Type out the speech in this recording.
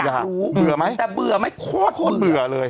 แต่เบื่อไหมโคตรเบื่อโคตรเบื่อเลย